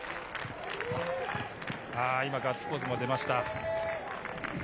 今、ガッツポーズも出ました。